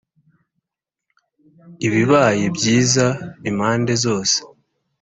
ibibaya byiza impande zose